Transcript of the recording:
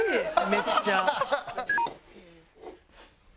めっちゃ。